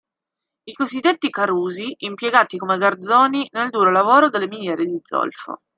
I cosiddetti carusi, impiegati come garzoni nel duro lavoro nelle miniere di zolfo.